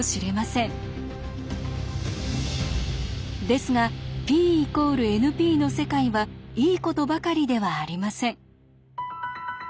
ですがＰ＝ＮＰの世界はいいことばかりではありません。